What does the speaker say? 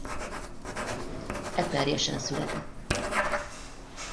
Eperjesen született.